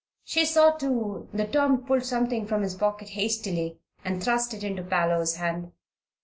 She saw, too, that Tom pulled something from his pocket hastily and thrust it into Parloe's hand.